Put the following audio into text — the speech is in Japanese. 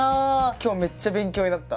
今日めっちゃ勉強になった。